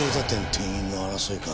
店員の争いか。